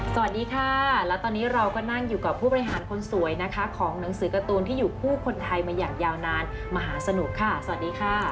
สวัสดีค่ะแล้วตอนนี้เราก็นั่งอยู่กับผู้บริหารคนสวยนะคะของหนังสือการ์ตูนที่อยู่คู่คนไทยมาอย่างยาวนานมหาสนุกค่ะสวัสดีค่ะ